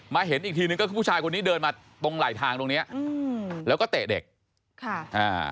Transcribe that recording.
เห็นอีกทีนึงก็คือผู้ชายคนนี้เดินมาตรงไหลทางตรงเนี้ยอืมแล้วก็เตะเด็กค่ะอ่า